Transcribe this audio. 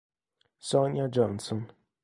Sonja Johnson